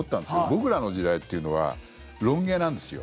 僕らの時代っていうのはロン毛なんですよ。